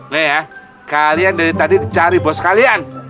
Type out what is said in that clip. nah ya kalian dari tadi cari bos kalian